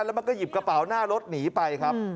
แล้วมันก็หยิบกระเป๋าหน้ารถหนีไปครับ